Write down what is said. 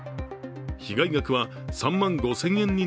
被害額は３万５０００円に